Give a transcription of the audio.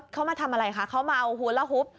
เขามาทำอะไรคะเขามาเอาหูนแล้วหุบ